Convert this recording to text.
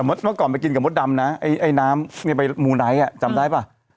เมื่อก่อนไปกินกับมดดำนะไอ้น้ำเนี่ยไปมูไนท์จำได้ป่ะ